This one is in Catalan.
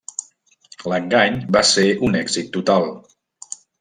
L'engany va ser un èxit total.